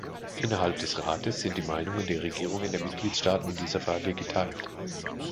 Innerhalb des Rates sind die Meinungen der Regierungen der Mitgliedstaaten in dieser Frage geteilt.